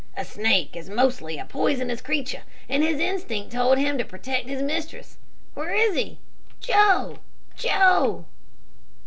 A snake is mostly a poisonous creature, and his instinct told him to protect his mistress. Where is he? Joe, Joe!"